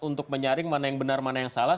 untuk menyaring mana yang benar mana yang salah